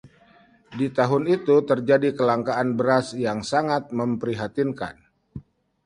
Di tahun itu terjadi kelangkaan beras yang sangat memprihatinkan.